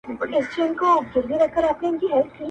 o ولي مي هره شېبه، هر ساعت پر اور کړوې.